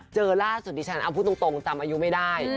เจอล่าสุดดิฉันเอาพูดตรงจำอายุไม่ได้